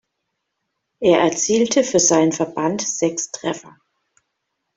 Er erzielte für seinen Verband sechs Treffer.